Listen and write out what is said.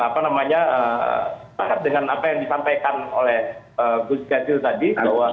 bahkan dengan apa yang disampaikan oleh bu sikadil tadi